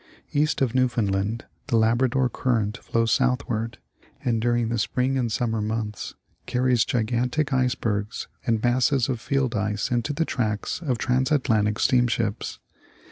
East of Newfoundland the Labrador current flows southward, and during the spring and summer months carries gigantic icebergs and masses of field ice into the tracks of transatlantic steamships.